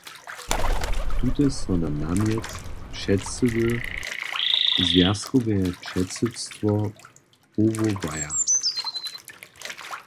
Tute so na namjet předsydy zwjazkowe předsydstwo powołaja.